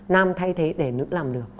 nam thay thế để nữ làm được